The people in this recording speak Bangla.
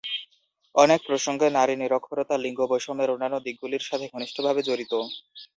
অনেক প্রসঙ্গে, নারী নিরক্ষরতা লিঙ্গ বৈষম্যের অন্যান্য দিকগুলির সাথে ঘনিষ্ঠভাবে জড়িত।